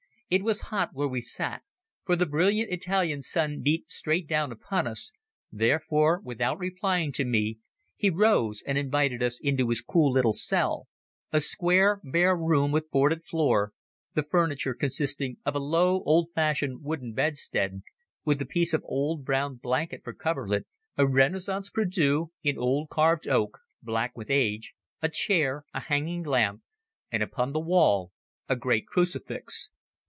It was hot where we sat, for the brilliant Italian sun beat straight down upon us, therefore, without replying to me, he rose and invited us into his cool little cell, a square bare room with boarded floor, the furniture consisting of a low, old fashioned wooden bedstead, with a piece of old brown blanket for coverlet, a Renaissance prie dieu in old carved oak, black with age, a chair, a hanging lamp, and upon the wall a great crucifix.